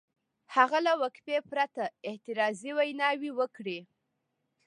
هغه له وقفې پرته اعتراضي ویناوې وکړې.